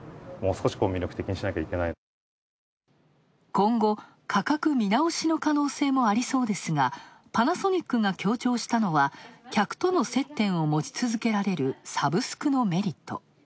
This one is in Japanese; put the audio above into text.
今後、価格見直しの可能性もありそうですがパナソニックが強調したのは、客との接点を持ち続けられるサブスクのメリット。